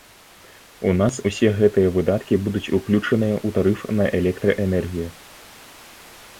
У нас усе гэтыя выдаткі будуць уключаныя ў тарыф на электраэнергію.